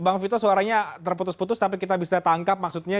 bang vito suaranya terputus putus tapi kita bisa tangkap maksudnya